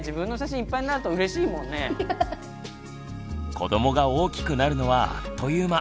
子どもが大きくなるのはあっという間。